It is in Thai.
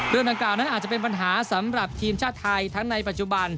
เรื่องดังกล่าวนั้นอาจจะเป็นปัญหาสำหรับทีมชาติไทยทั้งในปัจจุบัน